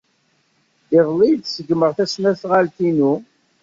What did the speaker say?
Iḍelli ay d-ṣeggmeɣ tasnasɣalt-inu.